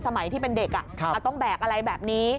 สมัยที่เป็นเด็กเราต้องแบกอะไรแบบนี้